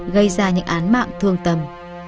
gây ra những án mạng thương tầm